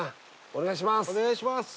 お願いします！